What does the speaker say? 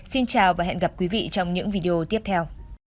xin chào và hẹn gặp lại quý vị trong những video tiếp theo